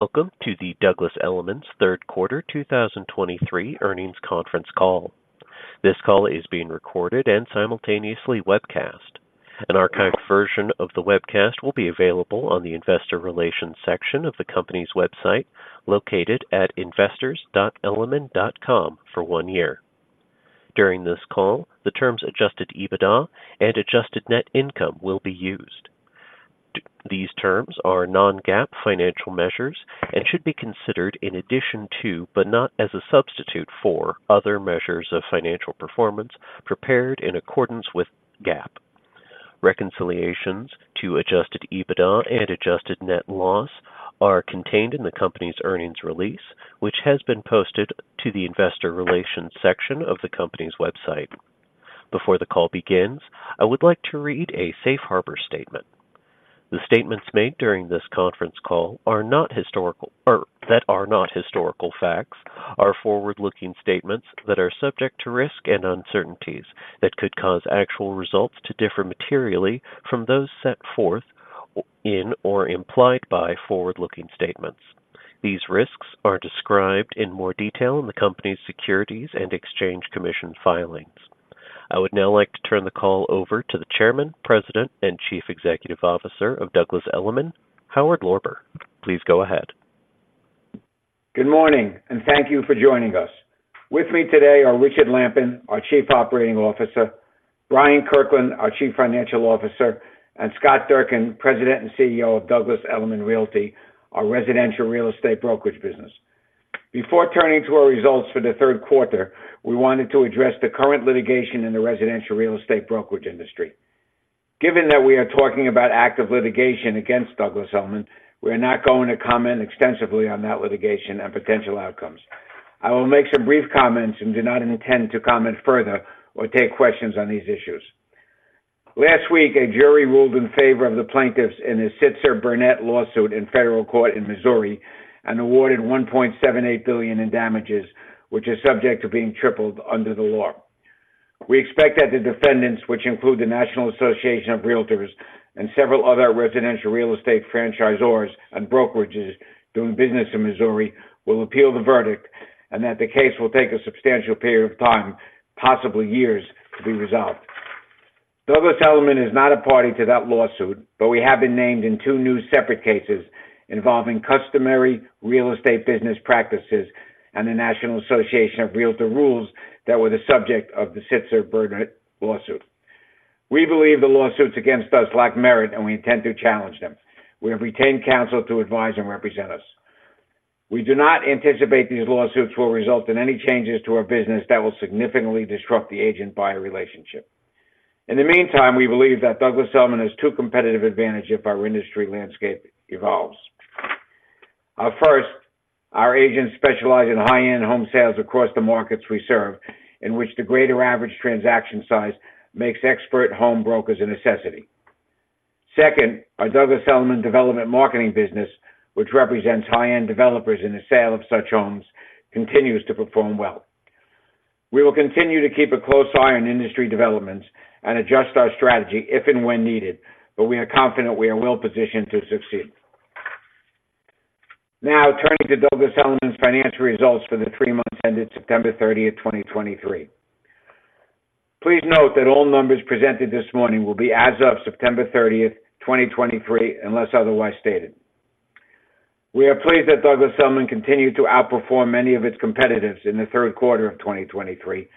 Welcome to the Douglas Elliman’s third quarter 2023 earnings conference call. This call is being recorded and simultaneously webcast. An archived version of the webcast will be available on the Investor Relations section of the company’s website, located at investors.elliman.com for one year. During this call, the terms Adjusted EBITDA and adjusted net income will be used. These terms are non-GAAP financial measures and should be considered in addition to, but not as a substitute for, other measures of financial performance prepared in accordance with GAAP. Reconciliations to Adjusted EBITDA and adjusted net loss are contained in the company’s earnings release, which has been posted to the Investor Relations section of the company’s website. Before the call begins, I would like to read a safe harbor statement. The statements made during this conference call that are not historical facts are forward-looking statements that are subject to risk and uncertainties that could cause actual results to differ materially from those set forth or implied by forward-looking statements. These risks are described in more detail in the company's Securities and Exchange Commission filings. I would now like to turn the call over to the Chairman, President, and Chief Executive Officer of Douglas Elliman, Howard Lorber. Please go ahead. Good morning, and thank you for joining us. With me today are Richard Lampen, our Chief Operating Officer, Bryant Kirkland, our Chief Financial Officer, and Scott Durkin, President and CEO of Douglas Elliman Realty, our residential real estate brokerage business. Before turning to our results for the third quarter, we wanted to address the current litigation in the residential real estate brokerage industry. Given that we are talking about active litigation against Douglas Elliman, we are not going to comment extensively on that litigation and potential outcomes. I will make some brief comments and do not intend to comment further or take questions on these issues. Last week, a jury ruled in favor of the plaintiffs in a Sitzer/Burnett lawsuit in federal court in Missouri and awarded $1.78 billion in damages, which is subject to being tripled under the law. We expect that the defendants, which include the National Association of Realtors and several other residential real estate franchisors and brokerages doing business in Missouri, will appeal the verdict and that the case will take a substantial period of time, possibly years, to be resolved. Douglas Elliman is not a party to that lawsuit, but we have been named in two new separate cases involving customary real estate business practices and the National Association of Realtors rules that were the subject of the Sitzer/Burnett lawsuit. We believe the lawsuits against us lack merit, and we intend to challenge them. We have retained counsel to advise and represent us. We do not anticipate these lawsuits will result in any changes to our business that will significantly disrupt the agent-buyer relationship. In the meantime, we believe that Douglas Elliman has two competitive advantage if our industry landscape evolves. First, our agents specialize in high-end home sales across the markets we serve, in which the greater average transaction size makes expert home brokers a necessity. Second, our Douglas Elliman Development Marketing business, which represents high-end developers in the sale of such homes, continues to perform well. We will continue to keep a close eye on industry developments and adjust our strategy if and when needed, but we are confident we are well positioned to succeed. Now, turning to Douglas Elliman's financial results for the three months ended September 30th, 2023. Please note that all numbers presented this morning will be as of September 30th, 2023, unless otherwise stated. We are pleased that Douglas Elliman continued to outperform many of its competitors in the third quarter of 2023,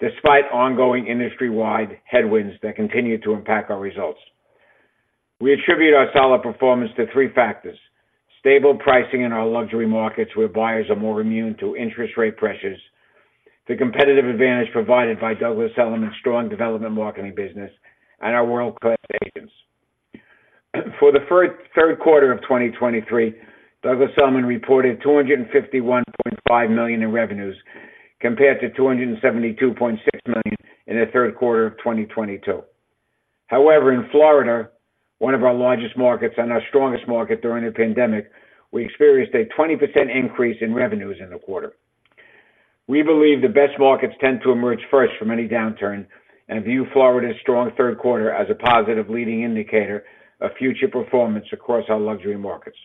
despite ongoing industry-wide headwinds that continued to impact our results. We attribute our solid performance to three factors: stable pricing in our luxury markets, where buyers are more immune to interest rate pressures, the competitive advantage provided by Douglas Elliman's strong development marketing business, and our world-class agents. For the third quarter of 2023, Douglas Elliman reported $251.5 million in revenues, compared to $272.6 million in the third quarter of 2022. However, in Florida, one of our largest markets and our strongest market during the pandemic, we experienced a 20% increase in revenues in the quarter. We believe the best markets tend to emerge first from any downturn and view Florida's strong third quarter as a positive leading indicator of future performance across our luxury markets.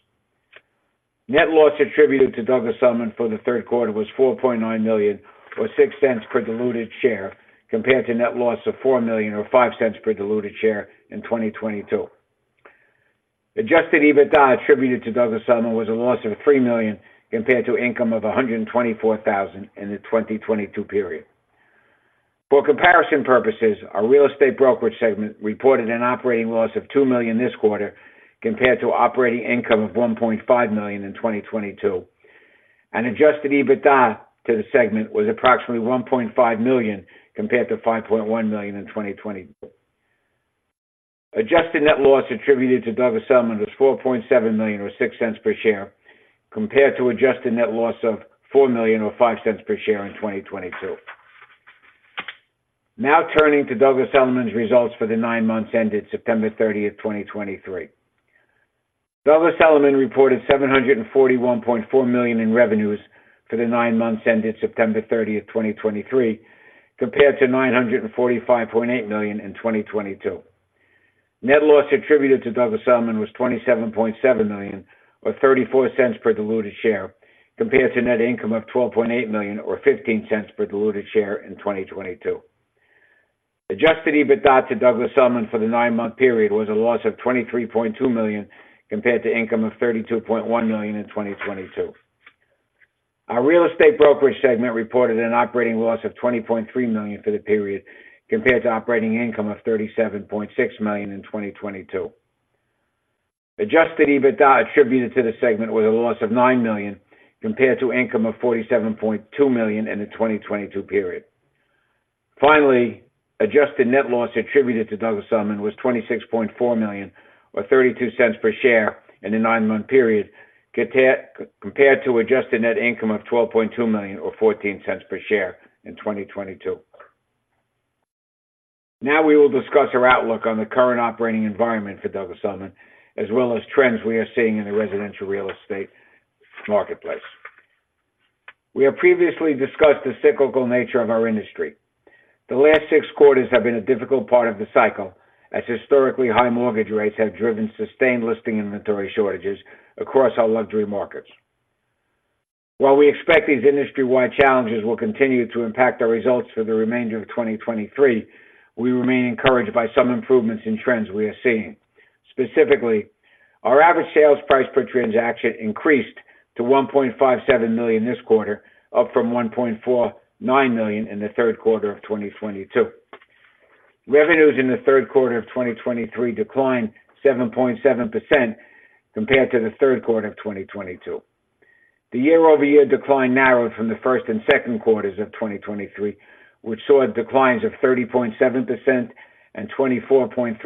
Net loss attributed to Douglas Elliman for the third quarter was $4.9 million, or $0.06 per diluted share, compared to net loss of $4 million or $0.05 per diluted share in 2022. Adjusted EBITDA attributed to Douglas Elliman was a loss of $3 million, compared to income of $124,000 in the 2022 period. For comparison purposes, our real estate brokerage segment reported an operating loss of $2 million this quarter, compared to operating income of $1.5 million in 2022, and adjusted EBITDA to the segment was approximately $1.5 million, compared to $5.1 million in 2020. Adjusted net loss attributed to Douglas Elliman was $4.7 million or $0.06 per share, compared to adjusted net loss of $4 million or $0.05 per share in 2022. Now, turning to Douglas Elliman's results for the nine months ended September 30th, 2023. Douglas Elliman reported $741.4 million in revenues for the nine months ended September 30th, 2023, compared to $945.8 million in 2022. Net loss attributed to Douglas Elliman was $27.7 million, or $0.34 per diluted share, compared to net income of $12.8 million or $0.15 per diluted share in 2022. Adjusted EBITDA to Douglas Elliman for the nine-month period was a loss of $23.2 million, compared to income of $32.1 million in 2022. Our real estate brokerage segment reported an operating loss of $20.3 million for the period, compared to operating income of $37.6 million in 2022. Adjusted EBITDA attributed to the segment was a loss of $9 million, compared to income of $47.2 million in the 2022 period. Finally, Adjusted net loss attributed to Douglas Elliman was $26.4 million, or $0.32 per share in a nine-month period, compared to Adjusted net income of $12.2 million, or $0.14 per share in 2022. Now we will discuss our outlook on the current operating environment for Douglas Elliman, as well as trends we are seeing in the residential real estate marketplace. We have previously discussed the cyclical nature of our industry. The last six quarters have been a difficult part of the cycle, as historically high mortgage rates have driven sustained listing inventory shortages across our luxury markets. While we expect these industry-wide challenges will continue to impact our results for the remainder of 2023, we remain encouraged by some improvements in trends we are seeing. Specifically, our average sales price per transaction increased to $1.57 million this quarter, up from $1.49 million in the third quarter of 2022. Revenues in the third quarter of 2023 declined 7.7% compared to the third quarter of 2022. The year-over-year decline narrowed from the first and second quarters of 2023, which saw declines of 30.7% and 24.3%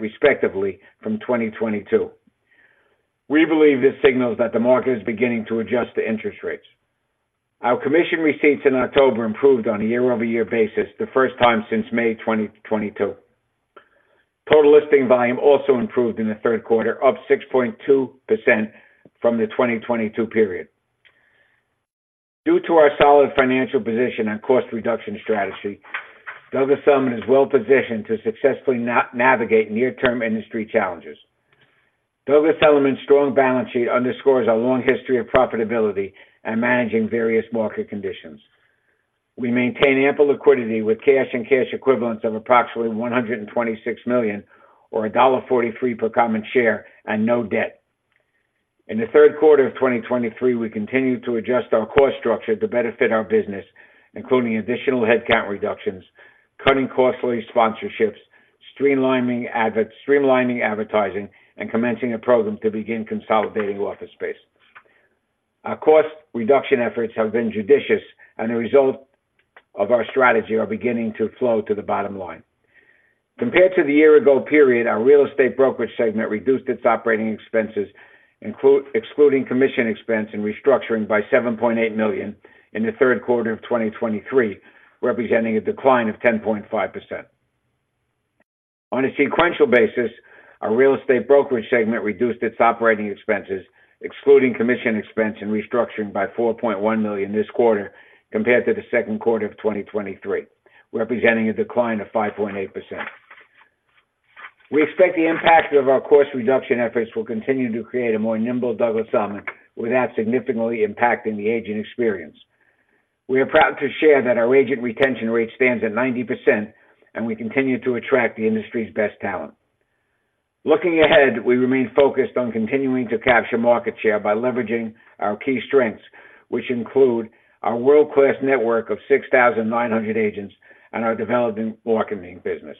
respectively from 2022. We believe this signals that the market is beginning to adjust to interest rates. Our commission receipts in October improved on a year-over-year basis, the first time since May 2022. Total listing volume also improved in the third quarter, up 6.2% from the 2022 period. Due to our solid financial position and cost reduction strategy, Douglas Elliman is well positioned to successfully navigate near-term industry challenges. Douglas Elliman's strong balance sheet underscores our long history of profitability and managing various market conditions. We maintain ample liquidity with cash and cash equivalents of approximately $126 million, or $1.43 per common share, and no debt. In the third quarter of 2023, we continued to adjust our cost structure to better fit our business, including additional headcount reductions, cutting costly sponsorships, streamlining advertising, and commencing a program to begin consolidating office space. Our cost reduction efforts have been judicious, and the result of our strategy are beginning to flow to the bottom line. Compared to the year ago period, our real estate brokerage segment reduced its operating expenses, excluding commission expense and restructuring by $7.8 million in the third quarter of 2023, representing a decline of 10.5%. On a sequential basis, our real estate brokerage segment reduced its operating expenses, excluding commission expense and restructuring, by $4.1 million this quarter compared to the second quarter of 2023, representing a decline of 5.8%. We expect the impact of our cost reduction efforts will continue to create a more nimble Douglas Elliman without significantly impacting the agent experience. We are proud to share that our agent retention rate stands at 90%, and we continue to attract the industry's best talent. Looking ahead, we remain focused on continuing to capture market share by leveraging our key strengths, which include our world-class network of 6,900 agents and our development marketing business.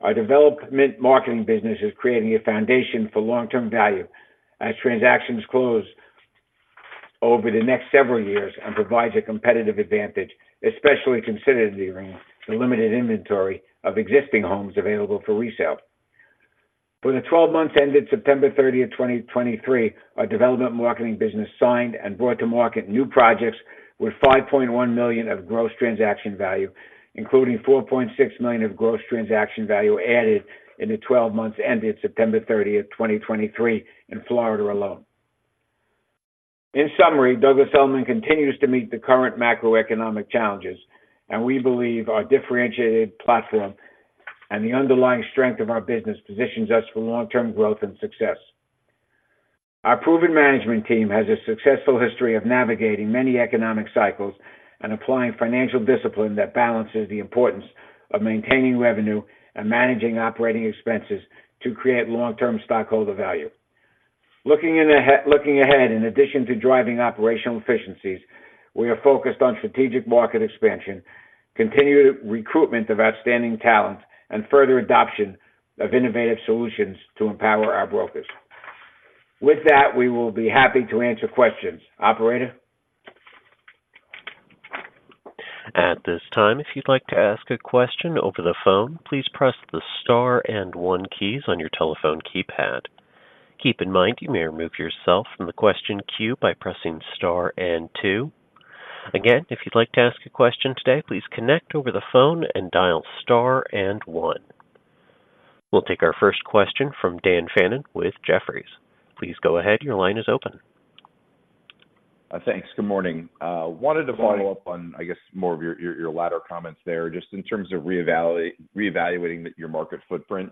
Our development marketing business is creating a foundation for long-term value as transactions close over the next several years and provides a competitive advantage, especially considering the limited inventory of existing homes available for resale. For the 12 months ended September 30th, 2023, our development marketing business signed and brought to market new projects with $5.1 million of gross transaction value, including $4.6 million of gross transaction value added in the 12 months ended September 30th, 2023, in Florida alone. In summary, Douglas Elliman continues to meet the current macroeconomic challenges, and we believe our differentiated platform and the underlying strength of our business positions us for long-term growth and success. Our proven management team has a successful history of navigating many economic cycles and applying financial discipline that balances the importance of maintaining revenue and managing operating expenses to create long-term stockholder value. Looking ahead, in addition to driving operational efficiencies, we are focused on strategic market expansion, continued recruitment of outstanding talent, and further adoption of innovative solutions to empower our brokers. With that, we will be happy to answer questions. Operator? At this time, if you'd like to ask a question over the phone, please press the star and one keys on your telephone keypad. Keep in mind, you may remove yourself from the question queue by pressing star and wo. Again, if you'd like to ask a question today, please connect over the phone and dial star and one. We'll take our first question from Dan Fannon with Jefferies. Please go ahead. Your line is open. Thanks. Good morning. Wanted to follow up on, I guess, more of your latter comments there, just in terms of reevaluating your market footprint.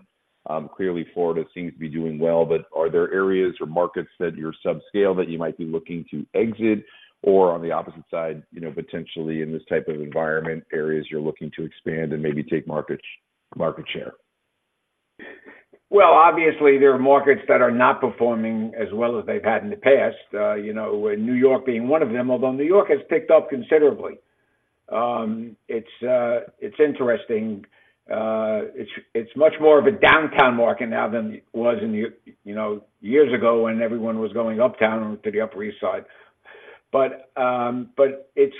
Clearly, Florida seems to be doing well, but are there areas or markets that you're subscale that you might be looking to exit, or on the opposite side, you know, potentially in this type of environment, areas you're looking to expand and maybe take market share? Well, obviously, there are markets that are not performing as well as they've had in the past. You know, New York being one of them, although New York has picked up considerably. It's interesting. It's much more of a downtown market now than it was in years ago, you know, when everyone was going uptown to the Upper East Side. But it's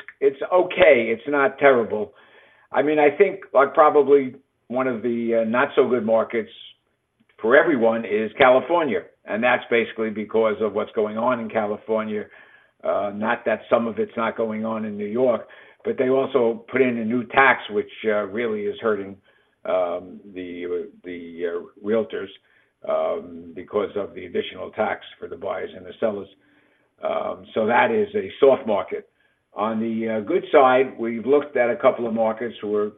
okay. It's not terrible. I mean, I think like probably one of the not-so-good markets for everyone is California, and that's basically because of what's going on in California. Not that some of it's not going on in New York, but they also put in a new tax, which really is hurting the realtors because of the additional tax for the buyers and the sellers. That is a soft market. On the good side, we've looked at a couple of markets where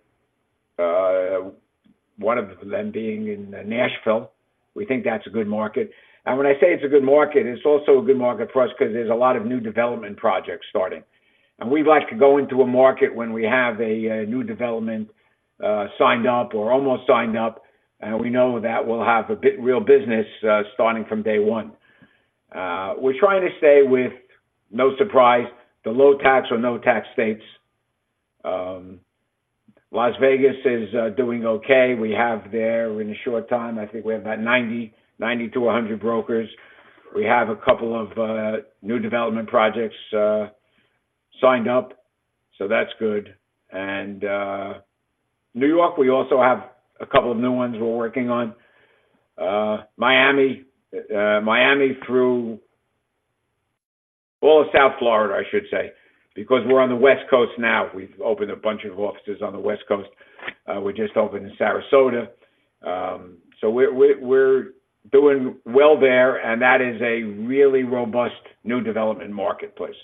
one of them being in Nashville. We think that's a good market. When I say it's a good market, it's also a good market for us 'cause there's a lot of new development projects starting. We like to go into a market when we have a new development signed up or almost signed up, and we know that we'll have big real business starting from day one. We're trying to stay with, no surprise, the low tax or no tax states. Las Vegas is doing okay. We have there, in a short time, I think we have about 90-100 brokers. We have a couple of new development projects signed up, so that's good. New York, we also have a couple of new ones we're working on. Miami, Miami through all of South Florida, I should say, because we're on the West Coast now. We've opened a bunch of offices on the West Coast. We just opened in Sarasota. So we're doing well there, and that is a really robust new development marketplace.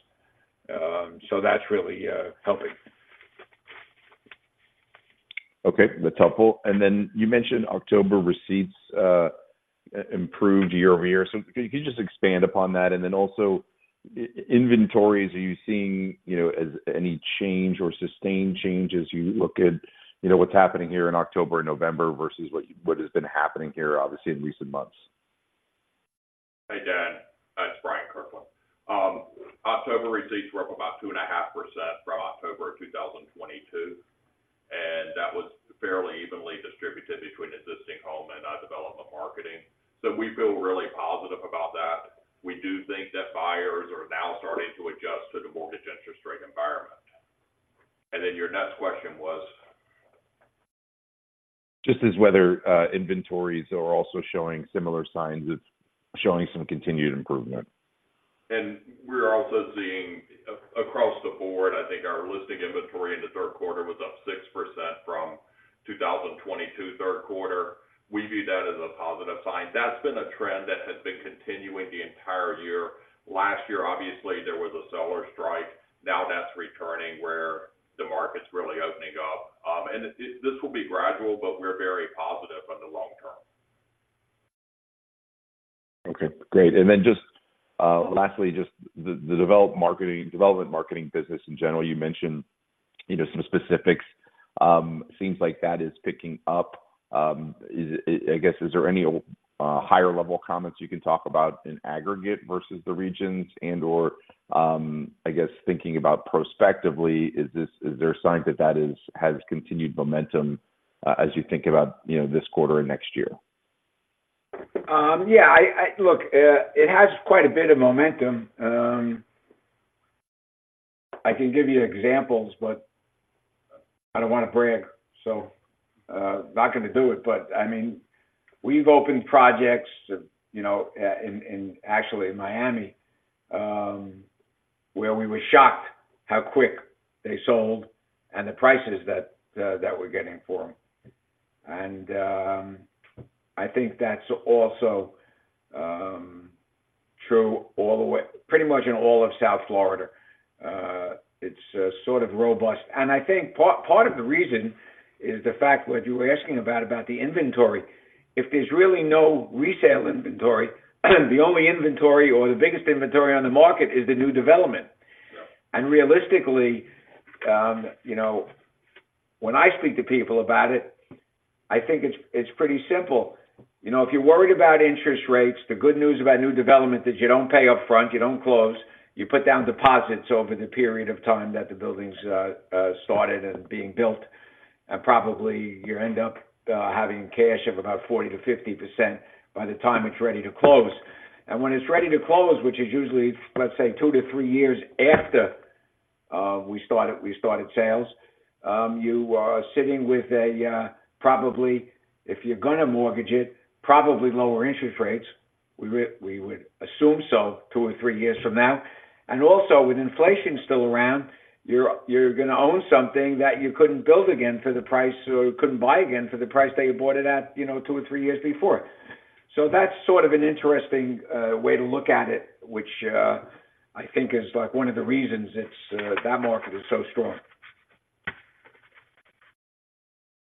So that's really helping. Okay, that's helpful. And then you mentioned October receipts improved year-over-year. So could you just expand upon that? And then also, inventories, are you seeing, you know, any change or sustained change as you look at, you know, what's happening here in October and November versus what has been happening here, obviously, in recent months? Hey, Dan, it's Bryant Kirkland. October receipts were up about 2.5% from October 2022, and that was fairly evenly distributed between existing home and development marketing. So we feel really positive about that. We do think that buyers are now starting to adjust to the mortgage interest rate environment. And then your next question was? Just as whether inventories are also showing similar signs of some continued improvement. We're also seeing across the board, I think our listing inventory in the third quarter was up 6% from 2022 third quarter. We view that as a positive sign. That's been a trend that has been continuing the entire year. Last year, obviously, there was a seller strike. Now that's returning where the market's really opening up. And this will be gradual, but we're very positive on the long term. Okay, great. And then just lastly, just the development marketing business in general, you mentioned, you know, some specifics. Seems like that is picking up. I guess, is there any higher level comments you can talk about in aggregate versus the regions and/or, I guess, thinking about prospectively, is there a sign that that has continued momentum, as you think about, you know, this quarter and next year? Yeah, look, it has quite a bit of momentum. I can give you examples, but I don't wanna brag, so not gonna do it. But I mean, we've opened projects, you know, in actually in Miami, where we were shocked how quick they sold and the prices that we're getting for them. And I think that's also true all the way, pretty much in all of South Florida. It's sort of robust. And I think part of the reason is the fact what you were asking about, about the inventory. If there's really no resale inventory, the only inventory or the biggest inventory on the market is the new development. Realistically, you know, when I speak to people about it, I think it's pretty simple. You know, if you're worried about interest rates, the good news about new development is you don't pay upfront, you don't close, you put down deposits over the period of time that the building's started and being built, and probably you end up having cash of about 40%-50% by the time it's ready to close. When it's ready to close, which is usually, let's say, two to three years after we started sales, you are sitting with a probably, if you're gonna mortgage it, probably lower interest rates. We would assume so, two or three years from now. And also, with inflation still around, you're gonna own something that you couldn't build again for the price or couldn't buy again for the price that you bought it at, you know, two or three years before. So that's sort of an interesting way to look at it, which I think is, like, one of the reasons it's that market is so strong.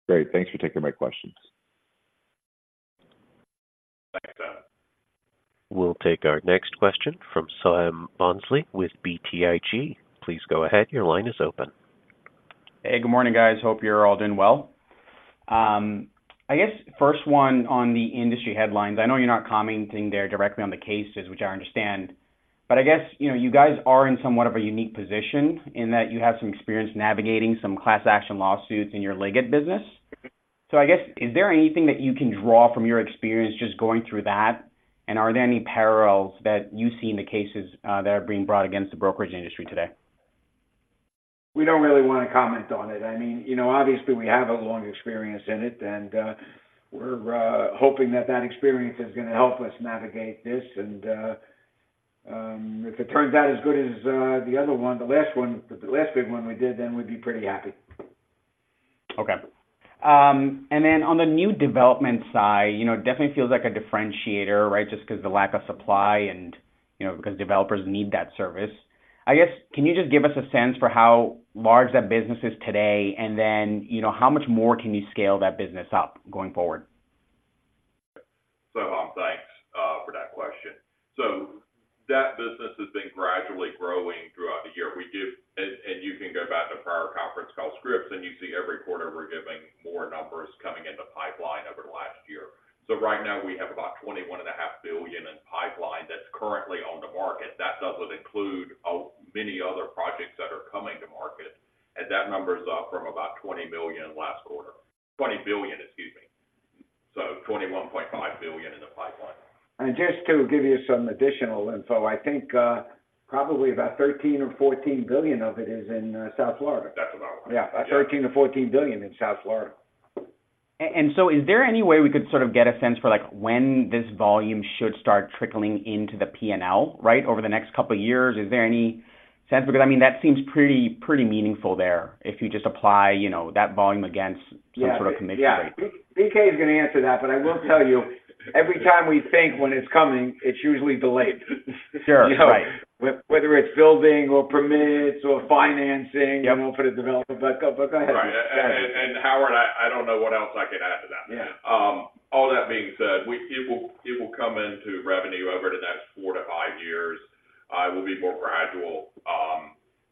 Great. Thanks for taking my questions. Thanks. We'll take our next question from Soham Bhonsle with BTIG. Please go ahead. Your line is open. Hey, good morning, guys. Hope you're all doing well. I guess first one on the industry headlines, I know you're not commenting there directly on the cases, which I understand, but I guess, you know, you guys are in somewhat of a unique position in that you have some experience navigating some class action lawsuits in your Liggett business. So I guess, is there anything that you can draw from your experience just going through that? And are there any parallels that you see in the cases, that are being brought against the brokerage industry today? We don't really want to comment on it. I mean, you know, obviously, we have a long experience in it, and we're hoping that that experience is going to help us navigate this. And, if it turns out as good as the other one, the last one, the last big one we did, then we'd be pretty happy. Okay. And then on the new development side, you know, it definitely feels like a differentiator, right? Just because the lack of supply and, you know, because developers need that service. I guess, can you just give us a sense for how large that business is today? And then, you know, how much more can you scale that business up going forward? Soham, thanks for that question. So that business has been gradually growing throughout the year. We give and you can go back to prior conference call scripts, and you see every quarter, we're giving more numbers coming in the pipeline over the last year. So right now, we have about $21.5 billion in pipeline that's currently on the market. That doesn't include many other projects that are coming to market, and that number is up from about 20 million last quarter. 20 billion, excuse me. So $21.5 billion in the pipeline. Just to give you some additional info, I think, probably about $13 billion or $14 billion of it is in South Florida. That's about right. Yeah, $13 billion-$14 billion in South Florida. And so is there any way we could sort of get a sense for, like, when this volume should start trickling into the P&L, right? Over the next couple of years, is there any sense? Because, I mean, that seems pretty, pretty meaningful there. If you just apply, you know, that volume against- Yeah. Some sort of commission rate. Yeah. BK is going to answer that, but I will tell you, every time we think when it's coming, it's usually delayed. Sure. Right. Whether it's building or permits or financing- Yeah. I'm going to put a developer, but go ahead. Right. And Howard, I don't know what else I could add to that. Yeah. All that being said, it will come into revenue over the next four to five years. It will be more gradual,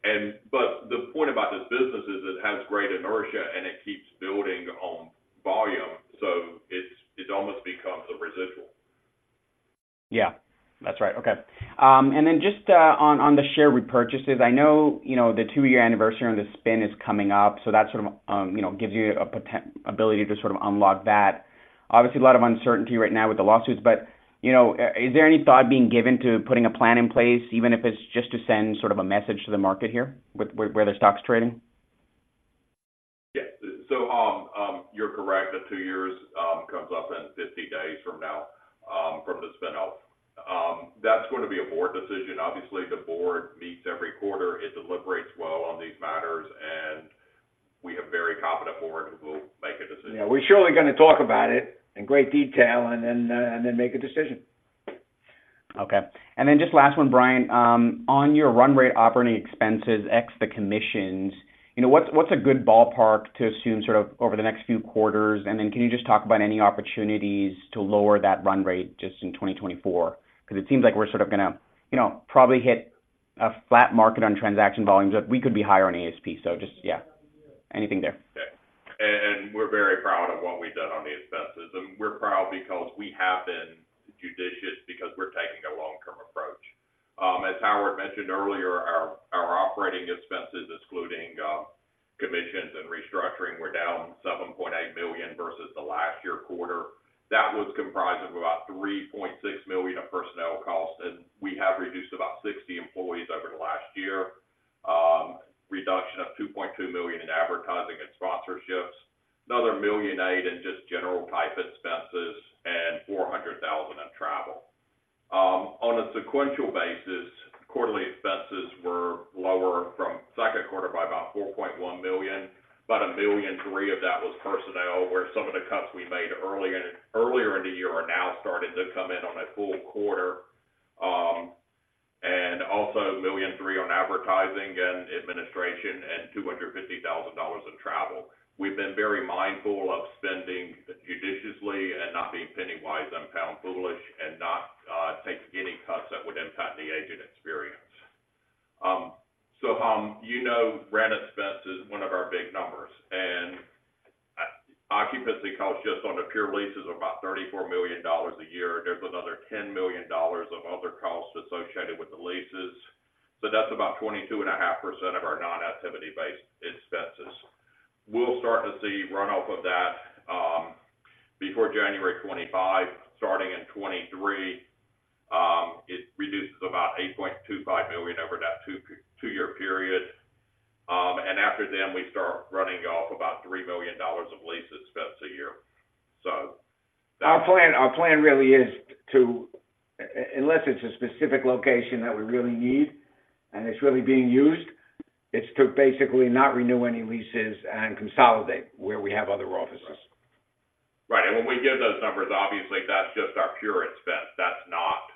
and but the point about this business is it has great inertia, and it keeps building on volume, so it's, it almost becomes a residual. Yeah, that's right. Okay. And then just on the share repurchases. I know, you know, the two-year anniversary on the spin is coming up, so that sort of, you know, gives you a potential ability to sort of unlock that. Obviously, a lot of uncertainty right now with the lawsuits, but, you know, is there any thought being given to putting a plan in place, even if it's just to send sort of a message to the market here with where the stock's trading? Yes. So, Soham, you're correct. The two years comes up in 50 days from now from the spin-off. That's going to be a board decision. Obviously, the board meets every quarter. It deliberates well on these matters, and we have very confident board who will make a decision. Yeah, we're surely going to talk about it in great detail and then make a decision. Okay. And then just last one, Bryant, on your run rate operating expenses, ex the commissions, you know, what's, what's a good ballpark to assume sort of over the next few quarters? And then can you just talk about any opportunities to lower that run rate just in 2024? Because it seems like we're sort of going to, you know, probably hit a flat market on transaction volumes. We could be higher on ASP, so just, yeah. Anything there? Okay. We're very proud of what we've done on the expenses. We're proud because we have been judicious because we're taking a long-term approach. As Howard mentioned earlier, our operating expenses, excluding commissions and restructuring, were down $7.8 million versus the last year quarter. That was comprised of about $3.6 million of personnel costs, and we have reduced about 60 employees over the last year. Reduction of $2.2 million in advertising and sponsorships. Another $1.8 million in just general type expenses and $400,000 in travel. On a sequential basis, quarterly expenses were lower from second quarter by about $4.1 million. About $1.3 million of that was personnel, where some of the cuts we made earlier in the year are now starting to come in on a full quarter. And also $1.3 million on advertising and administration, and $250,000 in travel. We've been very mindful of spending judiciously and not being penny-wise and pound foolish, and not taking any cuts that would impact the agent experience. Soham, you know, rent expense is one of our big numbers, and occupancy costs just on the pure leases are about $34 million a year. There's another $10 million of other costs associated with the leases. So that's about 22.5% of our non-activity-based expenses. We'll start to see runoff of that before January 2025, starting in 2023. It reduces about $8.25 million over that two-year period. And after then, we start running off about $3 million of lease expense a year. So- Our plan, our plan really is to, unless it's a specific location that we really need, and it's really being used, basically not renew any leases and consolidate where we have other offices. Right. Right, and when we give those numbers, obviously, that's just our pure expense. That's not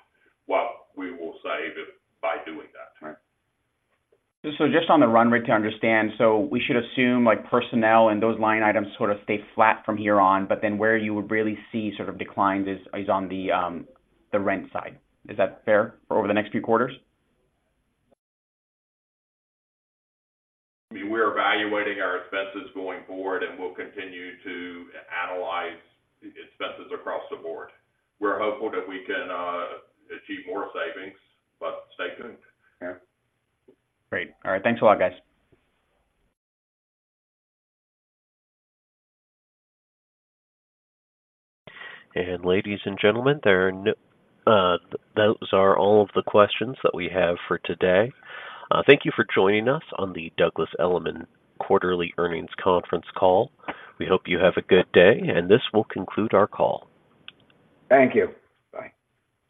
what we will save by doing that. Right. So just on the run rate to understand, so we should assume, like, personnel and those line items sort of stay flat from here on, but then where you would really see sort of declines is on the rent side. Is that fair for over the next few quarters? I mean, we're evaluating our expenses going forward, and we'll continue to analyze expenses across the board. We're hopeful that we can achieve more savings, but stay tuned. Yeah. Great. All right. Thanks a lot, guys. Ladies and gentlemen, there are no, those are all of the questions that we have for today. Thank you for joining us on the Douglas Elliman quarterly earnings conference call. We hope you have a good day, and this will conclude our call. Thank you. Bye.